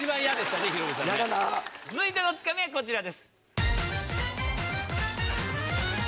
続いてのツカミはこちらです。